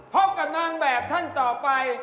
พบกับนางแบบท่านต่อไป